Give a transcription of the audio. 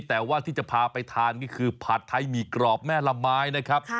แต่ว่าที่จะพาไปทานก็คือผัดไทยหมี่กรอบแม่ละไม้นะครับ